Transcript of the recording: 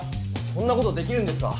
そんな事できるんですか？